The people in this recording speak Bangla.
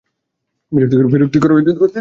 বিরক্তিকর চাকরি করি।